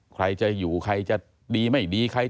ใครจะอยู่ใครจะดีไม่ดีใคร